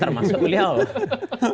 termasuk mulia allah